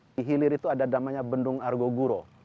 di hilir itu ada namanya bendung argo guro